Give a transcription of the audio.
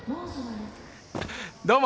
どうも！